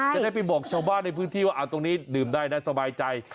จะได้ไปบอกชาวบ้านในพื้นที่ว่าตรงนี้ดื่มได้นะสบายใจ